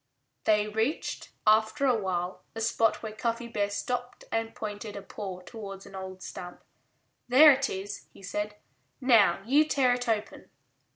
They reached, after a while, a spot where Cuffy Bear stopped and pointed a paw towards an old stump. "There it is," he said. "Now you tear it open."